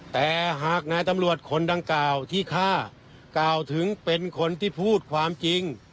แต่หากนายตำรวจคนดังกล่าวที่ฆ่ากล่าวถึงเป็นคนที่พูดความจริง